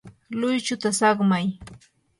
luychuta saqmay.